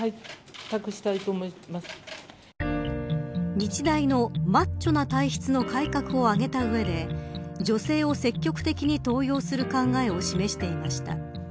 日大のマッチョな体質の改革を挙げた上で女性を積極的に登用する考えを示していました。